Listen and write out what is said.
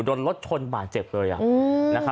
โดนรถชนบะเจ็บเลยอะ